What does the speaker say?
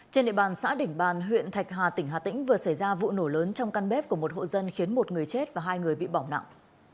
trên địa bàn xã đỉnh bàn huyện thạch hà tỉnh hà tĩnh vừa xảy ra vụ nổ lớn trong căn bếp của một hộ dân khiến một người chết và hai người bị bỏng nặng